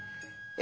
え